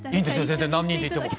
全然何人で行っても。